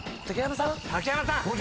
竹山さん！